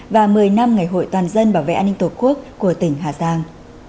và một mươi năm ngày hội toàn dân bảo vệ an ninh tổ quốc của tỉnh hà giang